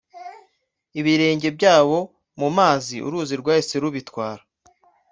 ibirenge byabo mu mazi uruzi rwahise rubitwara